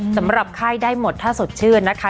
สำหรับไข้ได้หมดถ้าสดชื่นนะคะ